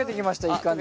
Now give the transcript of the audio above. いい感じに。